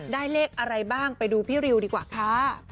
เลขอะไรบ้างไปดูพี่ริวดีกว่าค่ะ